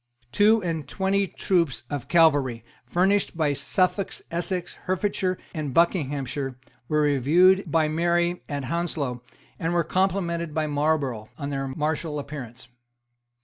Two and twenty troops of cavalry, furnished by Suffolk, Essex, Hertfordshire and Buckinghamshire, were reviewed by Mary at Hounslow, and were complimented by Marlborough on their martial appearance.